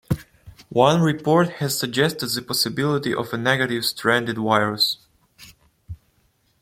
One report has suggested the possibility of a negative stranded virus.